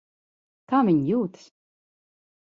Kā viņa jūtas?